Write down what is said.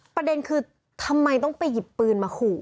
ประเด็นคือทำไมต้องไปหยิบปืนมาขู่